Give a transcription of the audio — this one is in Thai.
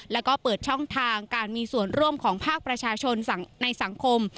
แล้วก็เปิดช่องทางการมีส่วนร่วมของภาคประชาชนในสังคม